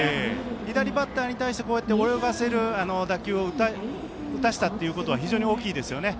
左バッターに対してこうやって泳がせる打球を打たせたっていうのは非常に大きいですよね。